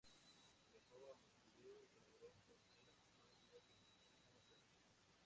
Viajó a Montevideo y colaboró con el afamado diario argentino "La Nación".